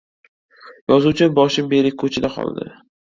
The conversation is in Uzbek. Yozuvchi boshi berik ko‘chada qoldi.